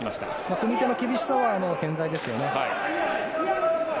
組み手の厳しさは健在ですよね。